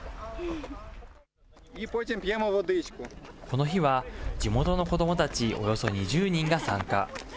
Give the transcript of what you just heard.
この日は、地元の子どもたちおよそ２０人が参加。